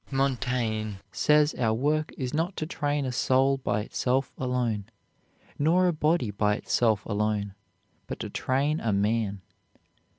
Montaigne says our work is not to train a soul by itself alone, nor a body by itself alone, but to train a man.